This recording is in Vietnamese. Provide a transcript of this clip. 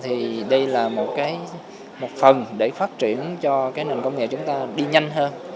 thì đây là một phần để phát triển cho cái nền công nghệ chúng ta đi nhanh hơn